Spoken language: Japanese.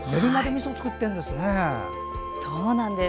そうなんです。